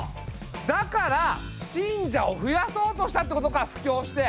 だから信者を増やそうとしたってことか布教して！